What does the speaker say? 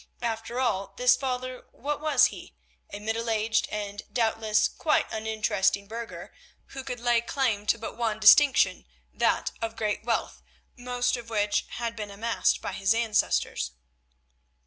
After all, this father, what was he? A middle aged and, doubtless, quite uninteresting burgher, who could lay claim to but one distinction, that of great wealth, most of which had been amassed by his ancestors.